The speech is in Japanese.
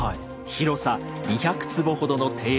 広さ２００坪ほどの庭園